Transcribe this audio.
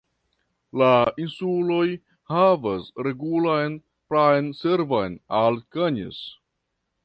La insuloj havas regulan pram-servon al Cannes.